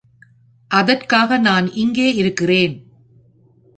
அதற்காக நான் இங்கே இருக்கிறேன்.